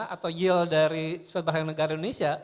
atau yield dari sebagian negara indonesia